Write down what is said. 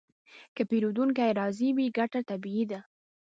که پیرودونکی راضي وي، ګټه طبیعي ده.